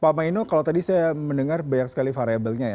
pak maino kalau tadi saya mendengar banyak sekali variabelnya ya